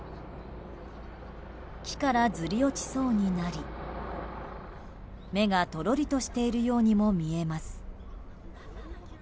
木からずり落ちそうになり目がとろりとしているようにも見えます。